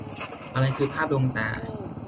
อะไรคือภาพลวงตา